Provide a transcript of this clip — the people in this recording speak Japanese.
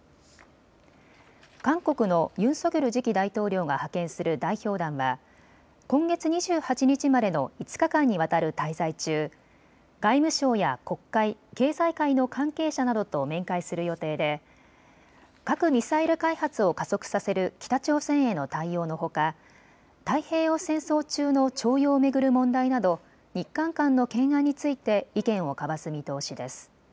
韓国のユン・ソギョル次期大統領が派遣する代表団は今月２８日までの５日間にわたる滞在中、外務省や国会、経済界の関係者などと面会する予定で核・ミサイル開発を加速させる北朝鮮への対応のほか太平洋戦争中の徴用を巡る問題など日韓間の懸案について意見を交わす見通しです。